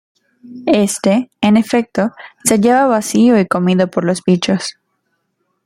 Este, en efecto se hallaba vacío y comido por los bichos.